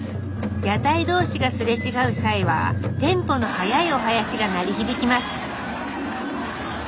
屋台同士が擦れ違う際はテンポの速いお囃子が鳴り響きます。